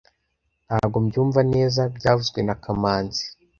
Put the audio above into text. Ntabwo mbyumva neza byavuzwe na kamanzi